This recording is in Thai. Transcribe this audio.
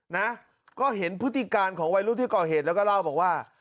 นะก็เห็นพฤติการของวัยรุ่นที่ก่อเหตุแล้วก็เล่าบอกว่า